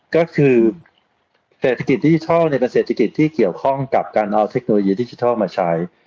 ก็คือเศรษฐกิจดิจิทัลในเกษตรกิจที่เกี่ยวข้องกับการเอาเทคโนโลยีดิจิทัลมาใช้